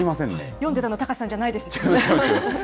読んでたの、高瀬さんじゃないですよね？